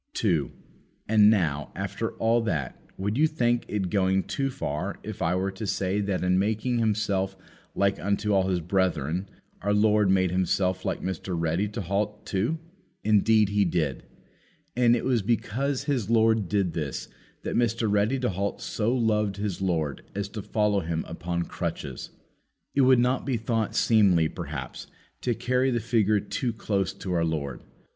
2. And now, after all that, would you think it going too far if I were to say that in making Himself like unto all His brethren, our Lord made Himself like Mr. Ready to halt too? Indeed He did. And it was because his Lord did this, that Mr. Ready to halt so loved his Lord as to follow Him upon crutches. It would not be thought seemly, perhaps, to carry the figure too close to our Lord.